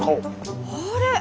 あれ？